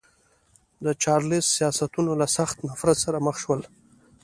د چارلېز سیاستونه له سخت نفرت سره مخ شول.